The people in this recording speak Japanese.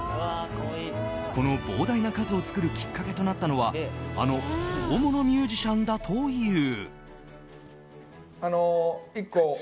この膨大な数を作るきっかけとなったのはあの大物ミュージシャンだという。